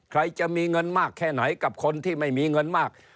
ใครจะมีเงินมากแค่ไหนกับคนที่ไม่มีเงินมาก